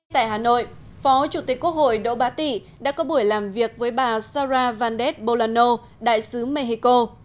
tại hà nội phó chủ tịch quốc hội đỗ bá tị đã có buổi làm việc với bà sara vandet bolano đại sứ mexico